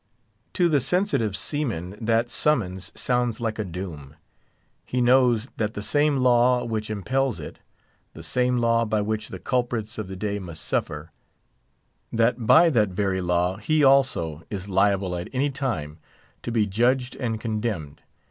_" To the sensitive seaman that summons sounds like a doom. He knows that the same law which impels it—the same law by which the culprits of the day must suffer; that by that very law he also is liable at any time to be judged and condemned.